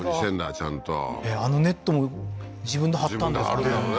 ちゃんとあのネットも自分で張ったんですかね